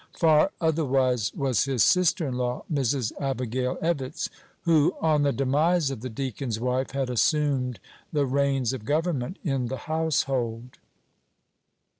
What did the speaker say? Far otherwise was his sister in law, Mrs. Abigail Evetts, who, on the demise of the deacon's wife, had assumed the reins of government in the household.